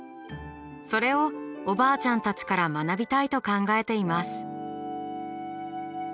それをおばあちゃんたちから学びたいと考えています。